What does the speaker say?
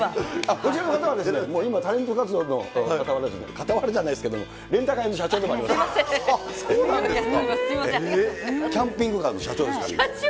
こちらの方はですね、今、タレント活動のかたわらじゃないですけど、レンタカー屋の社長でそうなんですか？